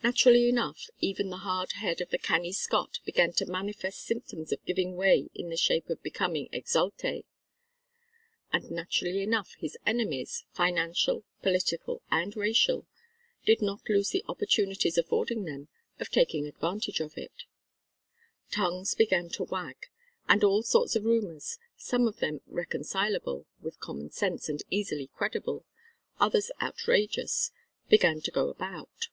Naturally enough, even the hard head of the canny Scot began to manifest symptoms of giving way in the shape of becoming exalté. And naturally enough his enemies financial, political and racial did not lose the opportunities afforded them of taking advantage of it. Tongues began to wag, and all sorts of rumours, some of them reconcilable with common sense and easily credible, others outrageous, began to go about.